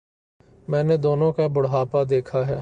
میں نے دونوں کا بڑھاپا دیکھا ہے۔